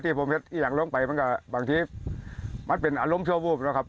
ที่ผมอยากลงไปมันก็บางทีมันเป็นอารมณ์ชั่วโบบิแล้วครับ